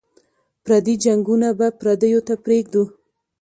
پردي جنګونه به پردیو ته پرېږدو.